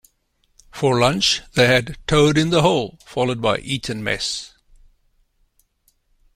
For lunch, they had toad-in-the-hole followed by Eton mess